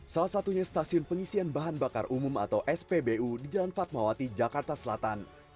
salah satunya stasiun pengisian bahan bakar umum atau spbu di jalan fatmawati jakarta selatan